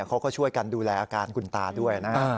เขาก็ช่วยกันดูแลอาการคุณตาด้วยนะ